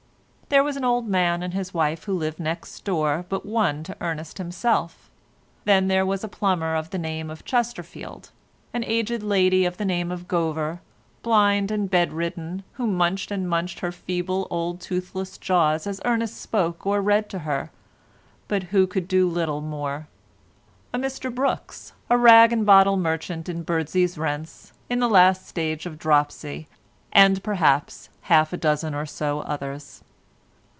There was an old man and his wife who lived next door but one to Ernest himself; then there was a plumber of the name of Chesterfield; an aged lady of the name of Gover, blind and bed ridden, who munched and munched her feeble old toothless jaws as Ernest spoke or read to her, but who could do little more; a Mr Brookes, a rag and bottle merchant in Birdsey's Rents in the last stage of dropsy, and perhaps half a dozen or so others.